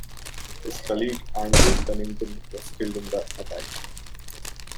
His colleague, Andrew Pennington, was killed in the attack.